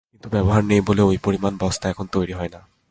কিন্তু ব্যবহার নেই বলে ওই পরিমাণ বস্তা এখন তৈরি হয় না।